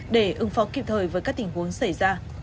để ứng phó kịp thời với các tình huống xảy ra